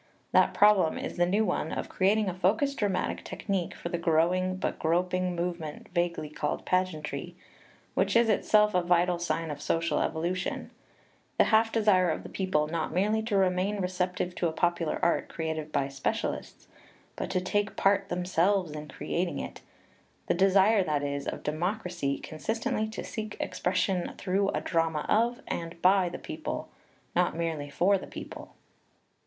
That problem is the new one of creating a focussed dramatic technique for the growing but groping movement vaguely called " pageantry/' which is itself a vital sign of social evolution the half desire of the people not merely to remain receptive to a popular art created by specialists, but to take part themselves in creating it; the desire, that is, of democracy consistently to seek expression through a drama of and by the people, not merely for the people.